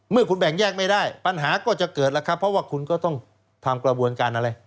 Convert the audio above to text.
คุณแบ่งแยกไม่ได้ปัญหาก็จะเกิดแล้วครับเพราะว่าคุณก็ต้องทำกระบวนการอะไร